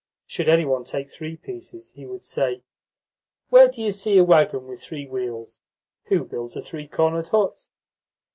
Should any one take three pieces, he would say: "Where do you see a waggon with three wheels? Who builds a three cornered hut?"